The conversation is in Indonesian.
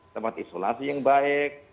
tempat isolasi yang baik